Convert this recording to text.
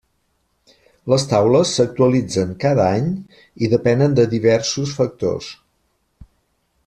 Les taules s'actualitzen cada any i depenen de diversos factors.